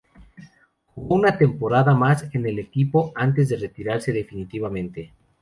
Jugó una temporada más en el equipo antes de retirarse definitivamente.